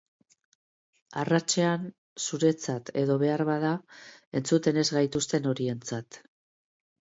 Arratsean, zuretzat, edo beharbada, entzuten ez gaituzten horientzat.